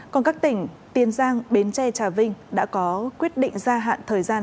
còn các tỉnh tiên giang bến tre trà vinh đã có quyết định ra hạn thời gian